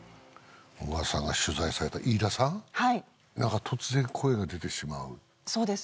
小川さんが取材された飯田さんはい何か突然声が出てしまうそうです